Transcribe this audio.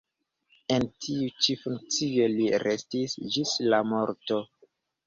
En tiu ĉi funkcio li restis ĝis la morto.